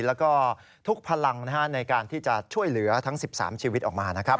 แล้วก็ทุกพลังในการที่จะช่วยเหลือทั้ง๑๓ชีวิตออกมานะครับ